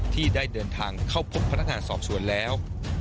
ที่ได้เดินทางครอบพบพระนาศอบส่วนแล้ว